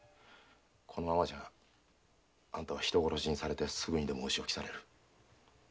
このままじゃあんたは人殺しにされてすぐにでもお仕置きされる。